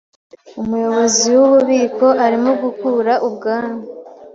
Umuyobozi wububiko arimo gukura ubwanwa.